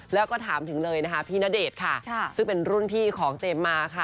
แล้วก็ถามถึงเลยนะคะพี่ณเดชน์ค่ะซึ่งเป็นรุ่นพี่ของเจมส์มาค่ะ